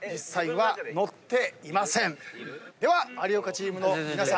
では有岡チームの皆さん。